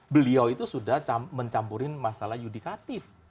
beliau itu sudah mencampurin masalah yudikatif